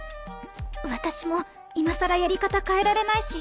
私も今更やり方変えられないし。